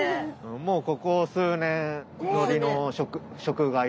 もうここ数年のりの食害で。